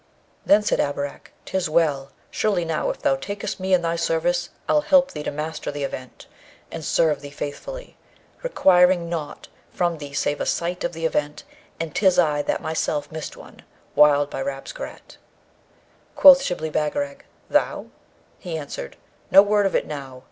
Then said Abarak, ''Tis well! Surely now, if thou takest me in thy service, I'll help thee to master the Event, and serve thee faithfully, requiring nought from thee save a sight of the Event, and 'tis I that myself missed one, wiled by Rabesqurat.' Quoth Shibli Bagarag, 'Thou?' He answered, 'No word of it now.